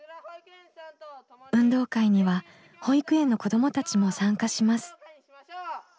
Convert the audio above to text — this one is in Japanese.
運動会には保育園の子どもたちも参加します。